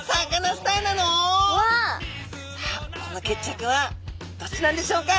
この決着はどっちなんでしょうか？